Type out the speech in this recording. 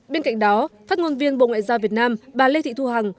bên cạnh đó phát ngôn viên bộ ngoại giao việt nam bà lê thị thu hằng